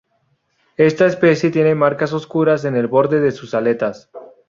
Esta especie tiene marcas oscuras en el borde de sus aletas.